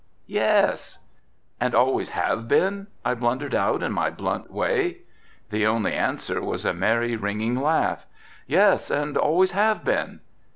"Yes." "And always have been?" I blundered out in my blunt way. The only answer was a merry, ringing laugh. "Yes and always have been."